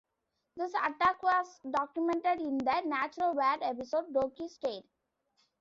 This attack was documented in the Natural World episode Toki's Tale.